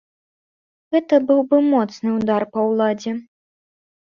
Гэта быў бы моцны ўдар па ўладзе.